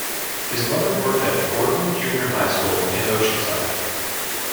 His mother worked at Boardman Junior High School in Oceanside.